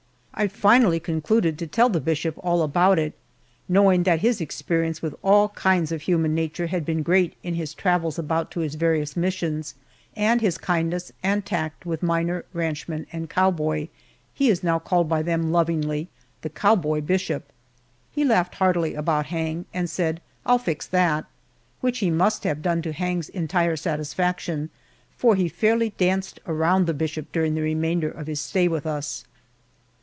I finally concluded to tell the bishop all about it, knowing that his experience with all kinds of human nature had been great in his travels about to his various missions, and his kindness and tact with miner, ranchman, and cowboy; he is now called by them lovingly "The Cowboy Bishop." He laughed heartily about Hang, and said, "I'll fix that," which he must have done to Hang's entire satisfaction, for he fairly danced around the bishop during the remainder of his stay with us.